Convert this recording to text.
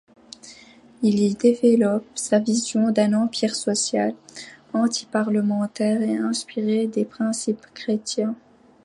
Il y développe sa vision d'un empire social, antiparlementaire et inspiré des principes chrétiens.